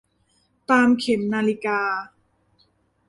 ตามเข็มนาฬิกา